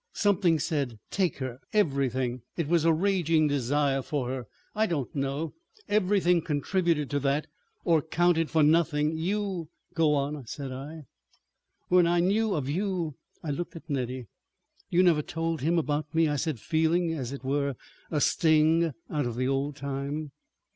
"Something said 'Take her.' Everything. It was a raging desire—for her. I don't know. Everything contributed to that—or counted for nothing. You———" "Go on," said I. "When I knew of you———" I looked at Nettie. "You never told him about me?" I said, feeling, as it were, a sting out of the old time.